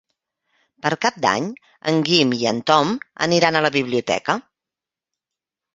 Per Cap d'Any en Guim i en Tom aniran a la biblioteca.